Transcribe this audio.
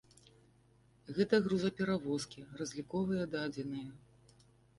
Гэта грузаперавозкі, разліковыя дадзеныя.